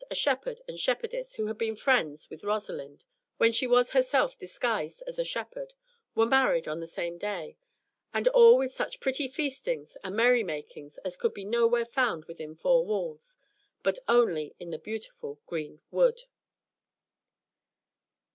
A shepherd and shepherdess who had been friends with Rosalind, when she was herself disguised as a shepherd, were married on the same day, and all with such pretty feastings and merry makings as could be nowhere within four walls, but only in the beautiful green wood.